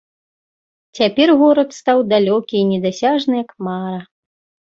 Цяпер горад стаў далёкі і недасяжны, як мара.